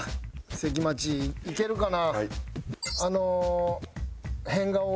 関町いけるかな？